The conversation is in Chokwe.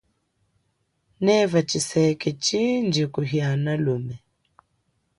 Neva tshiseke tshindji kuhiana lume.